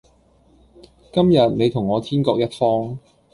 今日你同我天各一方